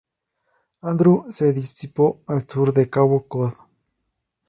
Andrew se disipó al sur de Cabo Cod.